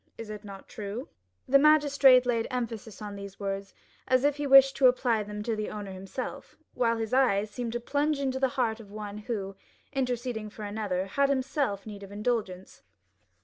Is it not true?" The magistrate laid emphasis on these words, as if he wished to apply them to the owner himself, while his eyes seemed to plunge into the heart of one who, interceding for another, had himself need of indulgence.